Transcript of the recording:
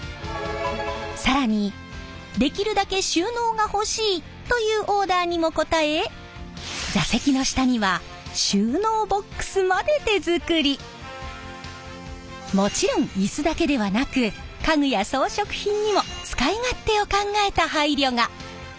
更にできるだけ収納が欲しいというオーダーにも応え座席の下にはもちろんイスだけではなく家具や装飾品にも使い勝手を考えた配慮が。